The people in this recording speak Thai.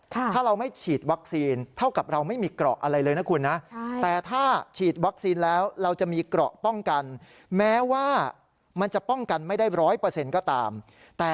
ถ้าเราไม่ฉีดวัคซีนเท่ากับเราไม่มีเกราะอะไรเลยนะคุณนะ